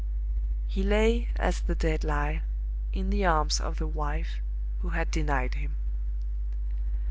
He lay as the dead lie, in the arms of the wife who had denied him.